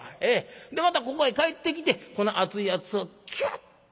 でまたここへ帰ってきてこの熱いやつをキュッと。